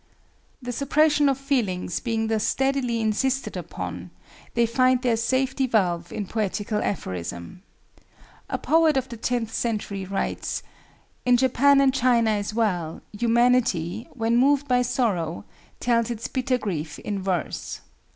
The suppression of feelings being thus steadily insisted upon, they find their safety valve in poetical aphorism. A poet of the tenth century writes, "In Japan and China as well, humanity, when moved by sorrow, tells its bitter grief in verse."